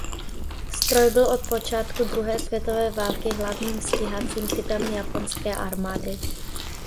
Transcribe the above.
Stroj byl do počátku druhé světové války hlavním stíhacím typem japonské armády.